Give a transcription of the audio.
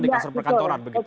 di kasus perkantoran